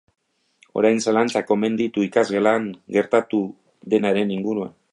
Orain zalantzak omen ditu ikasgelan gertatu denaren inguruan.